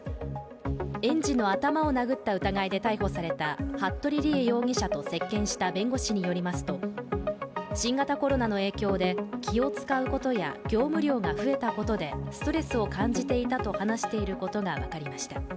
園児の頭を殴った疑いで逮捕された服部理江容疑者と接見した弁護士によりますと新型コロナの影響で気を遣うことや業務量が増えたことでストレスを感じていたと話していることが分かりました。